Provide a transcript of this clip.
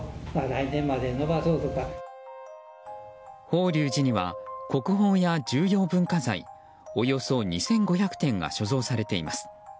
法隆寺には、国宝や重要文化財およそ２５００点が所蔵されています。